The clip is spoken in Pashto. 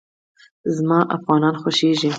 زما افغانان خوښېږي